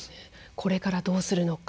これからどうするのか。